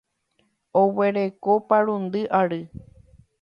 Oguereko parundy ary.